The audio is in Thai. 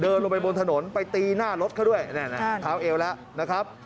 ลงไปบนถนนไปตีหน้ารถเขาด้วยเท้าเอวแล้วนะครับ